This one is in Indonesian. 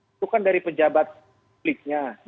itu kan dari pejabat publiknya